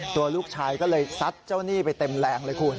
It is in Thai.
ตัวลูกชายก็เลยซัดเจ้าหนี้ไปเต็มแรงเลยคุณ